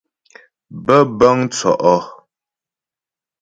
Bə̀bə̂ŋ tsɔ́' ɔ.